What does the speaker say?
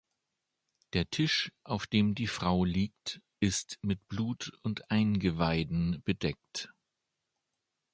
Der Tisch, auf dem die Frau liegt, ist mit Blut und Eingeweiden bedeckt.